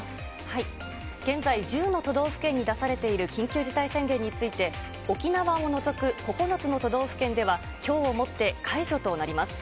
現在、１０の都道府県に出されている緊急事態宣言について、沖縄を除く９つの都道府県では、きょうをもって解除となります。